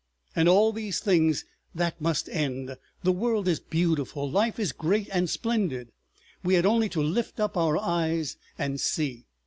And all these things that must end. The world is beautiful, life is great and splendid, we had only to lift up our eyes and see.